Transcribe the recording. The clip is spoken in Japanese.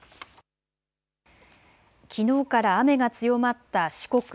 きのうから雨が強まった四国。